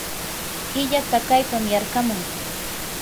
killa tsakaypam yarqamun.